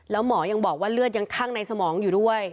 แล้วหมอยังบอกว่าเลือดยังคั่งในสมองอยู่ด้วย